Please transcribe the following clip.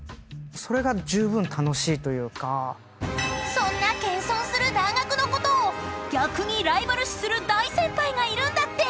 ［そんな謙遜するだーがくのことを逆にライバル視する大先輩がいるんだって！］